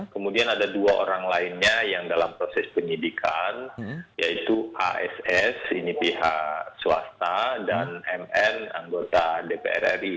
kemudian ada dua orang lainnya yang dalam proses penyidikan yaitu ass ini pihak swasta dan mn anggota dpr ri